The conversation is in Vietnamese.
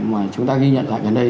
mà chúng ta ghi nhận lại gần đây